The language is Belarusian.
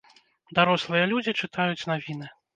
Дарослыя людзі чытаюць навіны.